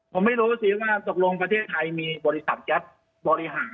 ผมไม่รู้สิว่าตกลงประเทศไทยมีบริษัทแก๊ปบริหาร